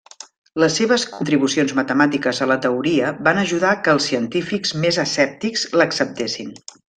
Les seves contribucions matemàtiques a la teoria van ajudar que els científics més escèptics l'acceptessin.